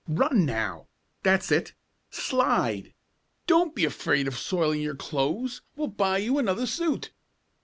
Run now! That's it. Slide! Don't be afraid of soiling your clothes, we'll buy you another suit!"